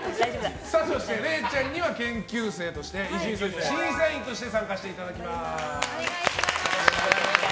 そして、れいちゃんには研究生として伊集院さんには審査員として参加していただきます。